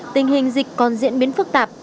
tình hình dịch còn diễn biến phức tạp